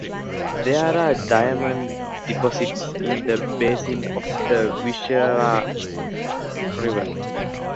There are diamond deposits in the basin of the Vishera River.